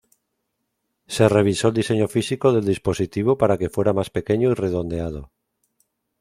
Se revisó el diseño físico del dispositivo para que fuera más pequeño y redondeado.